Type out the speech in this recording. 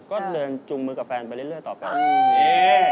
ก็เดินจุงมือกับแฟนไปเรื่อยต่อกัน